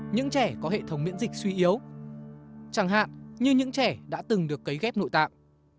những trẻ có hệ thống miễn dịch suy yếu chẳng hạn như những trẻ đã từng được cấy ghép nội tạng